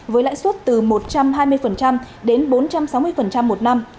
với lãi suất từ một trăm hai mươi đến bốn trăm sáu mươi một năm